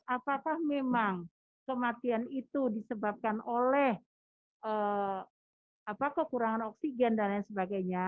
apakah memang kematian itu disebabkan oleh kekurangan oksigen dan lain sebagainya